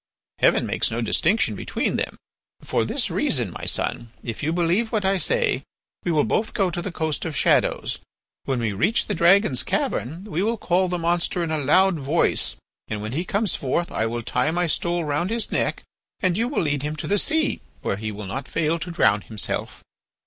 Heaven makes no distinction between them. For this reason, my son, if you believe what I say, we will both go to the Coast of Shadows; when we reach the dragon's cavern we will call the monster in a loud voice, and when he comes forth I will tie my stole round his neck and you will lead him to the sea, where he will not fail to drown himself."